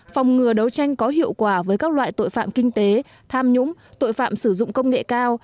phòng ngừa đấu tranh có hiệu quả với các loại tội phạm kinh tế tham nhũng tội phạm sử dụng công nghệ cao